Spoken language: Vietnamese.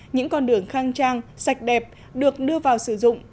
những con đường khang trang sạch đẹp được đưa vào sử dụng